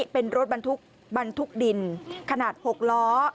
เป็นรถบันทุกดินขนาด๖ล้อ